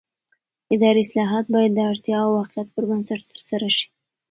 اداري اصلاحات باید د اړتیا او واقعیت پر بنسټ ترسره شي